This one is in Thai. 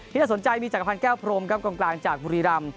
ที่จะสนใจมีจังหวังภัณฑ์แก้วโพรมกับกลางจากบุรีรัมป์